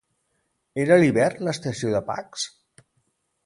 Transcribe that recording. Era l'hivern l'estació de Pax?